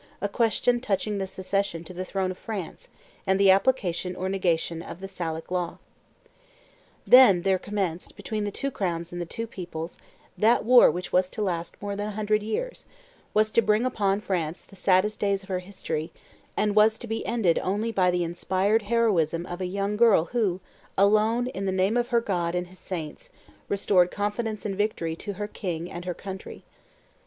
a question touching the succession to the throne of France and the application or negation of the Salic law. Then there commenced, between the two crowns and the two peoples, that war which was to last more than a hundred years, was to bring upon France the saddest days of her history, and was to be ended only by the inspired heroism of a young girl who, alone, in the name of her God and His saints, restored confidence and victory to her king and her country.